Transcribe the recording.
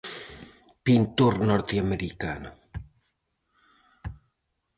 Pintor norteamericano.